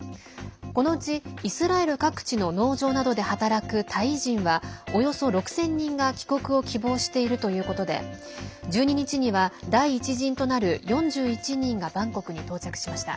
このうち、イスラエル各地の農場などで働くタイ人はおよそ６０００人が帰国を希望しているということで１２日には、第１陣となる４１人がバンコクに到着しました。